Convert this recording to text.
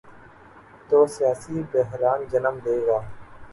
تو سیاسی بحران جنم لے گا۔